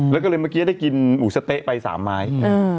แล้วก็เลยเมื่อกี้ได้กินหมูสะเต๊ะไป๓ไม้